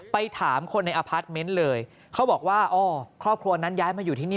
ไปถามคนในอพาร์ทเมนต์เลยเขาบอกว่าอ๋อครอบครัวนั้นย้ายมาอยู่ที่นี่